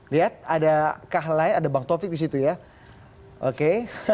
lihat adakah lain ada bang taufik di situ ya oke